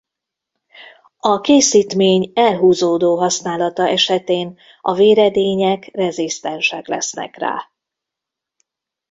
A készítmény elhúzódó használata esetén a véredények rezisztensek lesznek rá.